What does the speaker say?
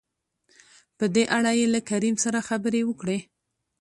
په دې اړه يې له کريم سره خبرې وکړې.